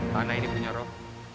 tanah ini punya roh